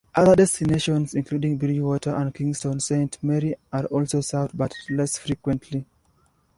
Other destinations, including Bridgwater and Kingston Saint Mary are also served but less frequently.